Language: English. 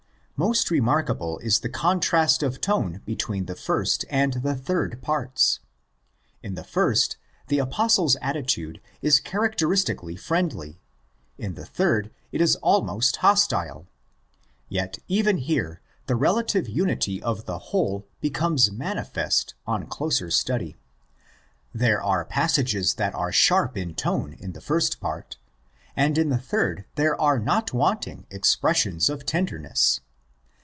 Most remarkable is the contrast of tone between the first and the third parts. In the first the Apostle's attitude is characteristically friendly ; in the third it is almost hostile. Yet even here the relative unity of the whole becomes manifest on closer study. There THE SECOND EPISTLE 199 are passages that are sharp in tone in the first part ; and in the third there are not wanting expressions of tenderness.